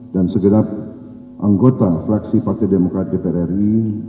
dan segenap anggota fraksi partai demokrat dpr ri